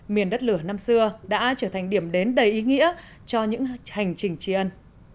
miền đất lửa năm xưa đã trở thành điểm đến đầy ý nghĩa cho những hành trình chiến